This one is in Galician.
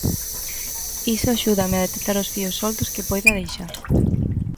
Iso axúdame a detectar os fíos soltos que poida deixar.